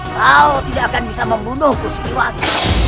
kau tidak akan bisa membunuhku suniwati